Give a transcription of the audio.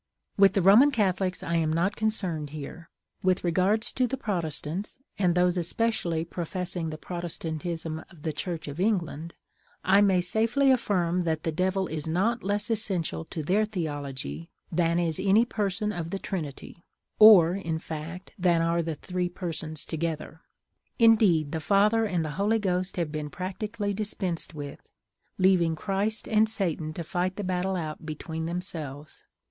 With the Roman Catholics I am not concerned here. With regard to the Protestants, and those especially professing the Protestantism of the Church of England, I may safely affirm that the Devil is not less essential to their theology than is any person of the Trinity, or, in fact, than are the three persons together. Indeed, the Father and the Holy Ghost have been practically dispensed with, leaving Christ and Satan to fight the battle out between themselves.